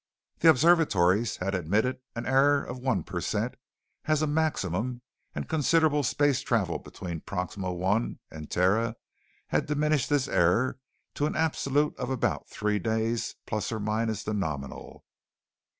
The observatories had admitted an error of one percent as a maximum and considerable space travel between Proxima I and Terra had diminished this error to an absolute of about three days plus or minus the nominal.